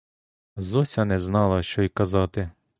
Зося не знала, що й казати.